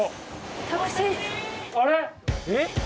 あれ？